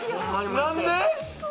何で？